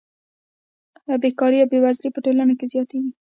بېکاري او بېوزلي په ټولنه کې زیاتېږي